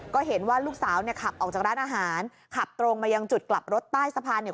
ก็เห็นว่าลูกสาวเนี่ยขับออกจากร้านอาหารขับตรงมายังจุดกลับรถใต้สะพานเนี่ย